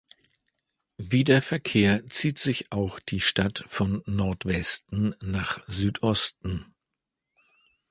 Wie der Verkehr zieht sich auch die Stadt von Nordwesten nach Südosten.